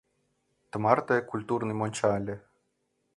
Тымарте культурный монча ыле.